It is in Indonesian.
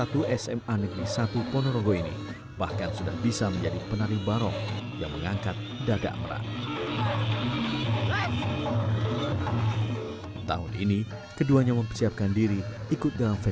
terus tambah lagi sama fisikan bikin otot lehernya jadi kuat